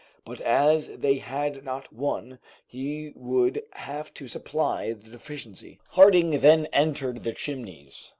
But as they had not one he would have to supply the deficiency. Harding then entered the Chimneys.